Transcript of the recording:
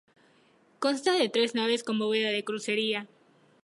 Consta de tres naves con bóveda de crucería.